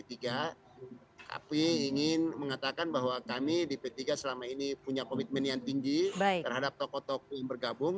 tapi ingin mengatakan bahwa kami di p tiga selama ini punya komitmen yang tinggi terhadap tokoh tokoh yang bergabung